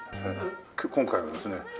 今回はですね